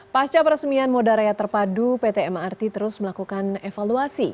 pasca peresmian moda raya terpadu pt mrt terus melakukan evaluasi